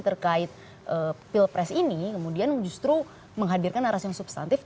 terkait pilpres ini kemudian justru menghadirkan narasi yang substantif